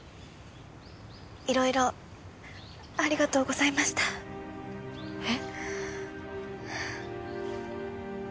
いろいろありがとうございました。え？